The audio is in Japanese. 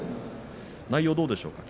内容どうでしょうか？